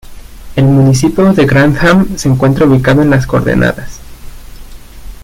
El municipio de Grantham se encuentra ubicado en las coordenadas